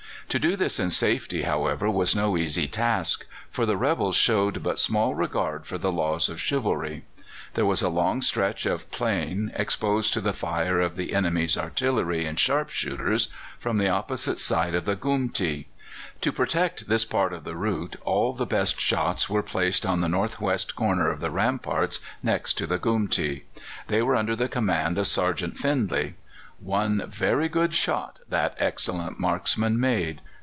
To do this in safety, however, was no easy task, for the rebels showed but small regard for the laws of chivalry. There was a long stretch of plain, exposed to the fire of the enemy's artillery and sharp shooters from the opposite side of the Goomtee. To protect this part of the route all the best shots were placed on the north west corner of the ramparts next to the Goomtee. They were under the command of Sergeant Findlay. One very good shot that excellent marksman made.